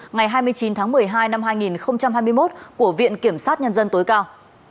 ngày hai mươi chín tháng một mươi hai năm hai nghìn hai mươi một của viện kiểm sát nhân dân tối cao